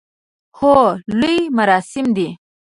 هو، لوی مراسم دی